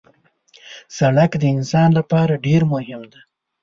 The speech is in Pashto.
سړک د انسان لپاره ډېر مهم دی.